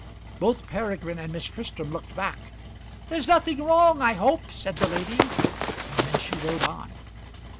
Both Peregrine and Miss Tristram looked back. "There's nothing wrong I hope," said the lady; and then she rode on.